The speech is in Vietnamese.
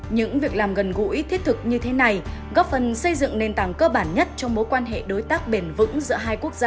những việc làm gần gũi thiết thực như thế này góp phần xây dựng nền tảng cơ bản nhất trong mối quan hệ đối tác bền vững giữa hai quốc gia